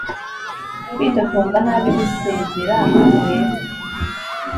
kwitotomba nabi gusezera hano hepfo